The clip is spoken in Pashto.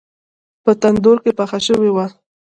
په تندور کې پخه شوې وه.